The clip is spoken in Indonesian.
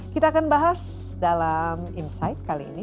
kita akan bahas dalam insight kali ini